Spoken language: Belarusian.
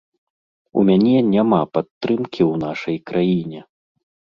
У мяне няма падтрымкі ў нашай краіне.